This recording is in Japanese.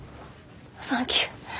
サンキュー。